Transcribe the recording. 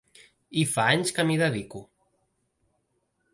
I fa anys que m’hi dedico.